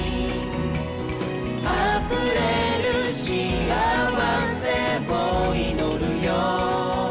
「あふれる幸せを祈るよ」